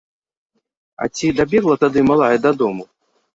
А ці дабегла тады малая дадому?